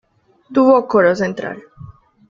Tuvo coro central.